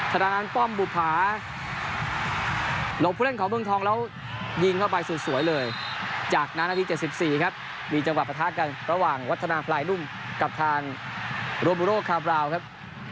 ทางด้านป้อมบุภาหลบผู้เล่นของเมืองทองแล้วยิงเข้าไปสุดสวยเลยจากนั้นนาที๗๔ครับมีจังหวะประทะกันระหว่างวัฒนาพลายนุ่มกับทางโรบูโรคคาบราวครับ